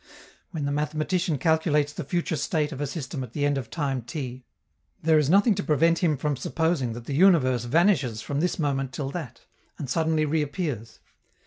When the mathematician calculates the future state of a system at the end of a time t, there is nothing to prevent him from supposing that the universe vanishes from this moment till that, and suddenly reappears.